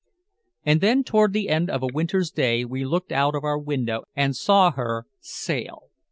And then toward the end of a winter's day we looked out of our window and saw her "sail."